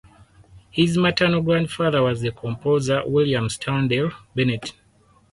His maternal grandfather was the composer William Sterndale Bennett.